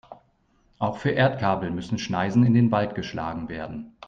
Auch für Erdkabel müssen Schneisen in den Wald geschlagen werden.